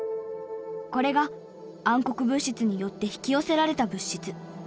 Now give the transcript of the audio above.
これが暗黒物質によって引き寄せられた物質。